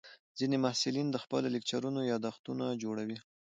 ځینې محصلین د خپلو لیکچرونو یادښتونه جوړوي.